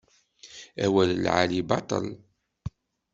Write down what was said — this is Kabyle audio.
Awal n lɛali baṭel.